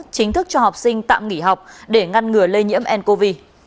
chính thức cho học sinh tạm nghỉ học để ngăn ngừa lây nhiễm ncov